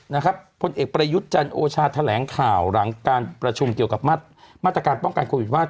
พลเอกประยุทธ์จันโอชาแถลงข่าวหลังการประชุมเกี่ยวกับมาตรการป้องกันโควิดว่า